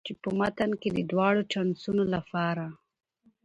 چې په متن کې د دواړو جنسونو لپاره